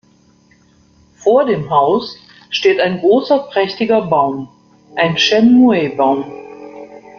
Vor dem Haus steht ein großer prächtiger Baum, ein "Shenmue"-Baum.